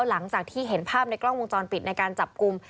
หลังจากที่เห็นภาพในกล้องวงจรปิดในการจับกลุ่ม